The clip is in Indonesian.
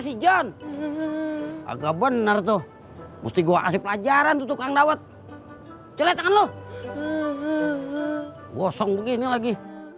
si john agak bener tuh musti gua kasih pelajaran tutup kandawat celetan lu bosong begini lagi